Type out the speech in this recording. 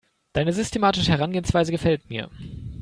Deine systematische Herangehensweise gefällt mir.